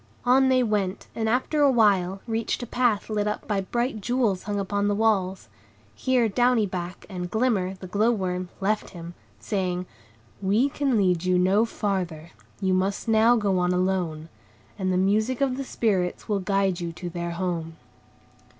On they went, and after a while, reached a path lit up by bright jewels hung upon the walls. Here Downy Back, and Glimmer, the glow worm, left him, saying,— "We can lead you no farther; you must now go on alone, and the music of the Spirits will guide you to their home."